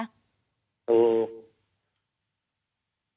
ถูก